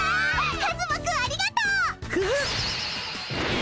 カズマくんありがとう！グッ！